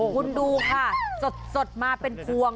คุณดูค่ะสดมาเป็นพวง